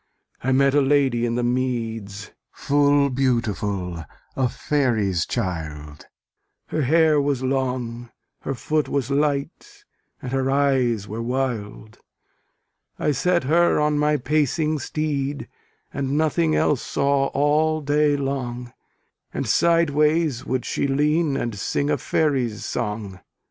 I met a lady in the meads Full beautiful, a faery's child; Her hair was long, her foot was light, And her eyes were wild. I set her on my pacing steed, And nothing else saw all day long; And sideways would she lean, and sing A faery's song.